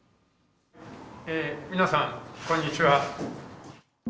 皆さん、こんにちは。